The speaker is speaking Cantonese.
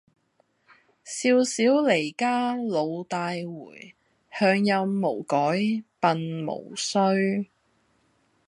少小離家老大回，鄉音無改鬢毛衰。